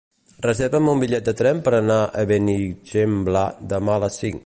Reserva'm un bitllet de tren per anar a Benigembla demà a les cinc.